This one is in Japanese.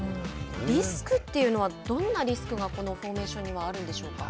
リスクというのはどんなリスクがこのフォーメーションにはあるんでしょうか。